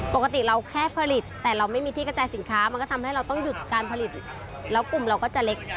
ปกติเราแค่ผลิตแต่เราไม่มีที่กระจายสินค้ามันก็ทำให้เราต้องหยุดการผลิตแล้วกลุ่มเราก็จะเล็ก